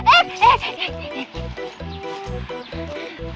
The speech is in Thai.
เอ็กซ์เอ็กซ์เอ็กซ์